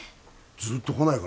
ずっと来ないからさ